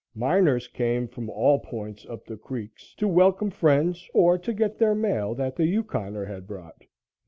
Miners came from all points up the creeks to welcome friends or to get their mail that the Yukoner had brought.